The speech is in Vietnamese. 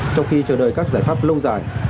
trong khi chờ đợi các giải pháp lâu dài